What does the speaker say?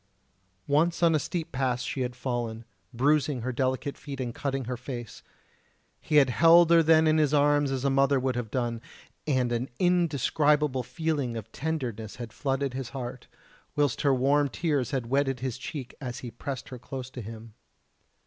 Once on a steep pass she had fallen, bruising her delicate feet and cutting her face. He had held her then in his arms as a mother would have done, and an indescribable feeling of tenderness had flooded his heart, whilst her warm tears had wetted his cheek as he pressed her close to him.